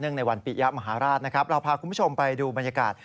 ในวันปิยะมหาราชนะครับเราพาคุณผู้ชมไปดูบรรยากาศ